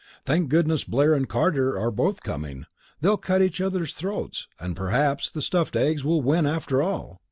Thank goodness Blair and Carter are both coming; they'll cut each other's throats, and perhaps the stuffed eggs will win after all.